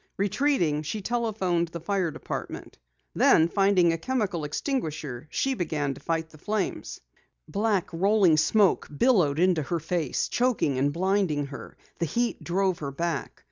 Retreating, she telephoned the fire department. Then finding a chemical extinguisher, she began fighting the flames. Black, rolling smoke billowed into her face, choking and blinding her. The heat drove her back.